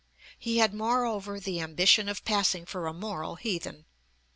He had moreover 'the ambition of passing for a moral heathen' (p.